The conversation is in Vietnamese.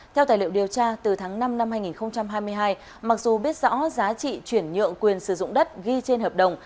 theo tài liệu điều tra từ tháng năm năm hai nghìn hai mươi hai mặc dù biết rõ giá trị chuyển nhượng quyền sử dụng đất ghi trên hợp đồng